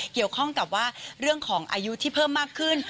เกี่ยวข้องกับว่าเรื่องของอายุที่เพิ่มมากขึ้น